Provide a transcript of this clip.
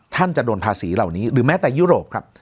จะโดนภาษีเหล่านี้หรือแม้แต่ยุโรปครับ